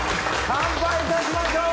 乾杯いたしましょう！